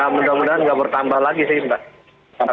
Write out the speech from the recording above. mudah mudahan nggak bertambah lagi sih mbak